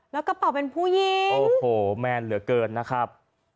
แล้วกระเป๋าเป็นผู้หญิงโอ้โหแมนเหลือเกินนะครับ